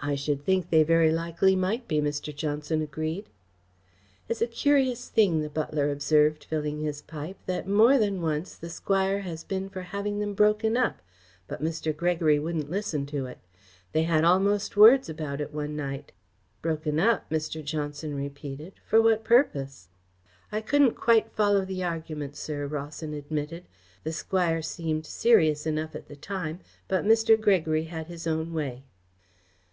"I should think they very likely might be," Mr. Johnson agreed. "It's a curious thing," the butler observed, filling his pipe, "that more than once the Squire has been for having them broken up, but Mr. Gregory wouldn't listen to it. They had almost words about it one night." "Broken up," Mr. Johnson repeated. "For what purpose?" "I couldn't quite follow the argument, sir," Rawson admitted. "The Squire seemed serious enough at the time, but Mr. Gregory had his own way."